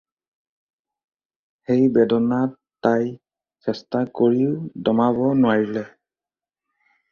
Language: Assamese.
সেই বেদনা তাই চেষ্টা কৰিও দমাব নোৱাৰিলে।